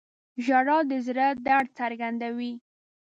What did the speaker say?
• ژړا د زړه درد څرګندوي.